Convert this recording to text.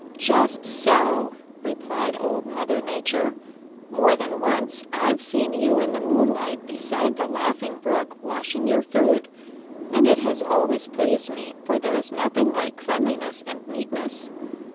"Just so," replied Old Mother Nature. "More than once I've seen you in the moonlight beside the Laughing Brook washing your food, and it has always pleased me, for there is nothing like cleanliness and neatness.